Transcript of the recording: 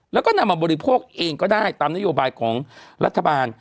แล้วก็นำมาบริโภคเองก็ได้ตามนโยบายของรัฐบาล